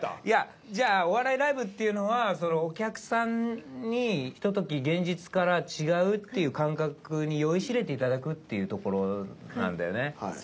いやじゃあお笑いライブっていうのはお客さんにひととき現実から違うっていう感覚に酔いしれて頂くっていうところなんだよね。